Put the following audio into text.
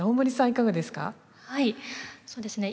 いかがですか？